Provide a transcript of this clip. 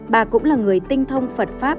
bà cũng là người tinh thông phật pháp